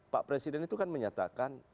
pak presiden itu kan menyatakan